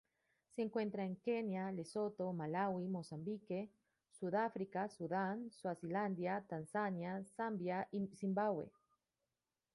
Se encuentra en Kenia, Lesoto, Malaui, Mozambique, Sudáfrica, Sudán, Suazilandia, Tanzania, Zambia, y Zimbabue.